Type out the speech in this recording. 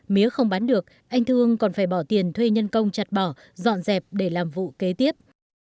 mía không bán được anh thương còn phải bỏ tiền thuê nhân công chặt bỏ dọn dẹp để làm vụ kế tiếp